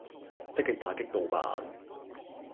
積極打擊盜版